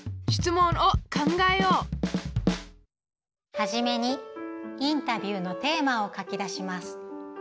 初めにインタビューのテーマを書き出します。